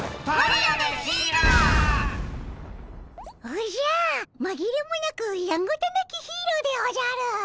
おじゃまぎれもなくやんごとなきヒーローでおじゃる！